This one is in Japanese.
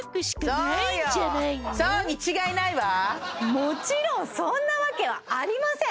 もちろんそんなわけはありません